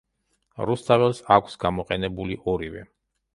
რუსთაველს აქვს გამოყენებული ორივე.